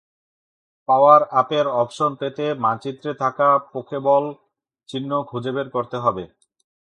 পাওয়ার-আপের option পেতে মানচিত্রে থাকা পোকেবল চিহ্ন খুঁজে বের করতে হবে।